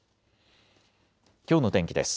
きょうの天気です。